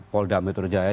paul dame turgaya